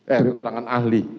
eh keterangan ahli